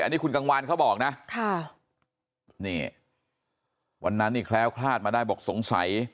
อันนี้คุณกังวานเขาบอกนะค่ะนี่วันนั้นนี่แคล้วคลาดมาได้บอกสงสัย